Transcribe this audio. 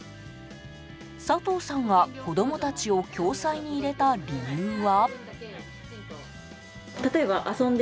佐藤さんが子供たちを共済に入れた理由は。